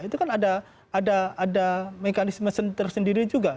itu kan ada mekanisme tersendiri juga